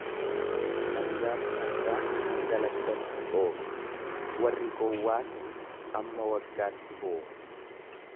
Sangaan fardaa hanga laddatti cooma, warri gowwaan amma waggaatti boowa.